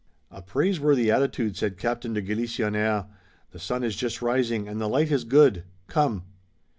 "A praiseworthy attitude," said Captain de Galisonnière. "The sun is just rising and the light is good. Come."